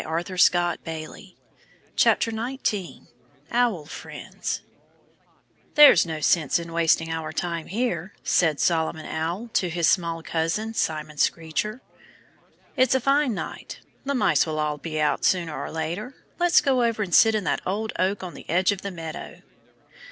19 Owl Friends "THERE'S no sense in wasting our time here," said Solomon Owl to his small cousin, Simon Screecher. "It's a fine night. The Mice will all be out sooner or later. Let's go over and sit in that old oak on the edge of the meadow!"